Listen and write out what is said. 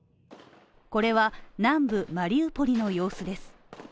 これは南部マリウポリの様子です。